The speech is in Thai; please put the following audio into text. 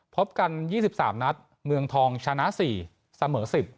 พบกันยี่สิบสามนัดเมืองทองชนะสี่สมเสมอสิบ